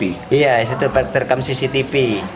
iya di tempat rekam cctv